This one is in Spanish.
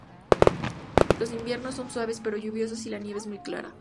Los inviernos son suaves, pero lluviosos, y la nieve es muy rara.